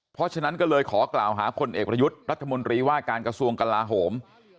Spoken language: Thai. เพราะฉะนั้นก็เลยขอกล่าวหาคนเอกประยุทธ์รัฐมนตรีว่าการกระทรวงกลาโหม